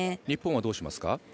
日本はどうしますか？